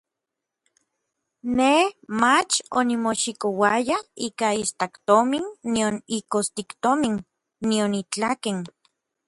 Nej mach onimoxikouaya ikaj iistaktomin nion ikostiktomin, nion itlaken.